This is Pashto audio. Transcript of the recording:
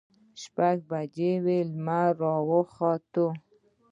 شپږ بجې وې، لمر په راختو و.